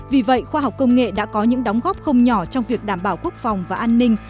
vì vậy khoa học công nghệ đã có những đóng góp không nhỏ trong việc đảm bảo quốc phòng và an ninh